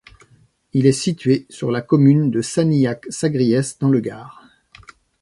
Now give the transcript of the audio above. Il est situé sur la commune de Sanilhac-Sagriès dans le Gard.